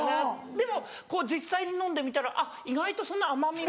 でも実際に飲んでみたら「あっ意外とそんな甘みも。